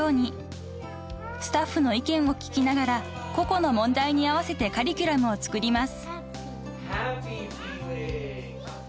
［スタッフの意見を聞きながら個々の問題に合わせてカリキュラムを作ります］